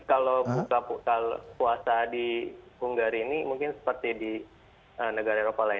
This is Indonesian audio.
kalau buka puasa di bunggari ini mungkin seperti di negara rokodromo